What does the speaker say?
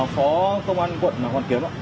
phó công an quận hoàn kiếm